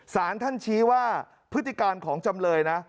สารท่านชี้ว่าพฤติการของจำเลยนะ